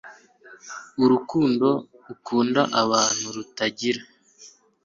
urukundo ukunda abantu, rutugira